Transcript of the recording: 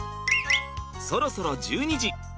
そろそろ１２時。